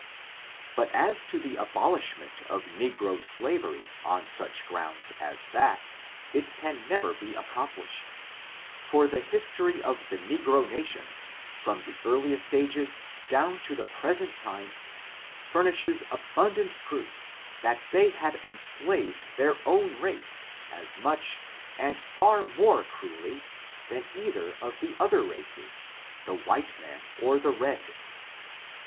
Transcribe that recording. But as to the aboUshment of negro slavery on such grounds as that, it can never be accomplished ; for the history of the negro nations, from the earliest ages down to the present time, furnishes abundant proof that they have enslaved their own race as much, and far more cruelly, than either of the other races, the red man or the white.